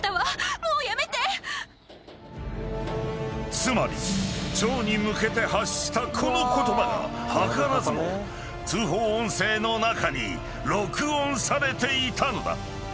［つまり張に向けて発したこの言葉が図らずも通報音声の中に録音されていたのだ］